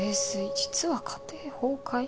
実は家庭崩壊⁉」。